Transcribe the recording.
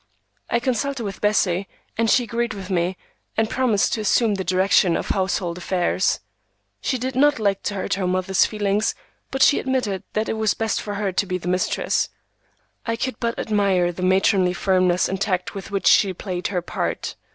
I consulted with Bessie, and she agreed with me, and promised to assume the direction of household affairs. She did not like to hurt her mother's feelings, but she admitted that it was best for her to be mistress. I could but admire the matronly firmness and tact with which she played her part.